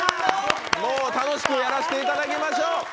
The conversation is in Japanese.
もう楽しくやらせていただきましょう！